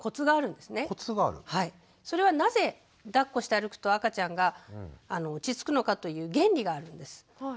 それはなぜだっこして歩くと赤ちゃんが落ち着くのかという原理があるんです。